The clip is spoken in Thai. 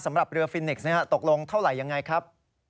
สำหรับเรือฟินิกส์ตกลงเท่าไหร่ยังไงครับ